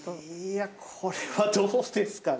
いやこれはどうですかね？